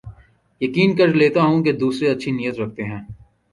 یقین کر لیتا ہوں کے دوسرے اچھی نیت رکھتے ہیں